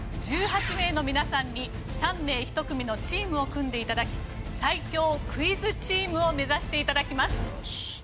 １８名の皆さんに３名１組のチームを組んで頂き最強クイズチームを目指して頂きます。